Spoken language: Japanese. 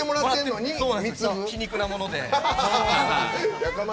皮肉なもので。